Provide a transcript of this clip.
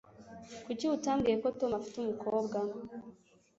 Kuki utambwiye ko Tom afite umukobwa?